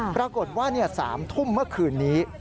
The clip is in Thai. ปรากฏว่า๓ทุ่มเมื่อคืนนี้